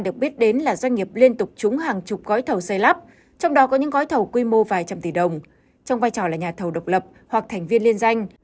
được biết đến là doanh nghiệp liên tục trúng hàng chục gói thầu xây lắp trong đó có những gói thầu quy mô vài trăm tỷ đồng trong vai trò là nhà thầu độc lập hoặc thành viên liên danh